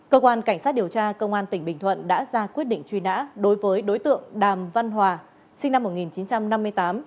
cơ quan cảnh sát điều tra công an tỉnh bình thuận đã ra quyết định truy nã đối với đối tượng đàm văn hòa sinh năm một nghìn chín trăm năm mươi tám